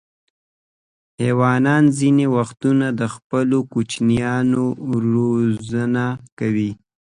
حیوانات ځینې وختونه د خپلو کوچنیانو روزنه کوي.